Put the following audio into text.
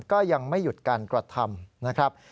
ก็ยังไม่หยุดการกระทำนะครับ